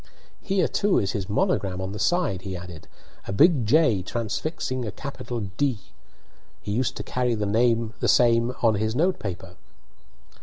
"Here, too, is his monogram on the side," he added " a big J transfixing a capital D. He used to carry the same on his note paper."